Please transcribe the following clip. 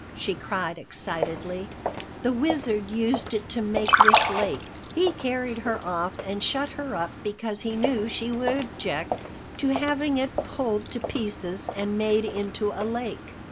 she cried excitedly. "The Wizard used it to make this lake. He carried her off and shut her up because he knew she would object to having it pulled to pieces and made into a lake!"